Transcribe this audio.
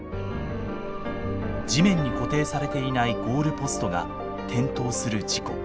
地面に固定されていないゴールポストが転倒する事故。